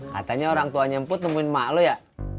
katanya orangtuanya emput nemuin mak lo ya